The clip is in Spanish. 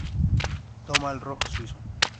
Toma el rojo suizo.